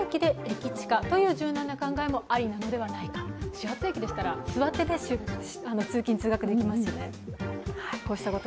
始発駅でしたら座って通勤通学できますから。